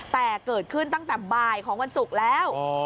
แต่เกิดขึ้นตั้งแต่บ่ายของวันศุกร์แล้ว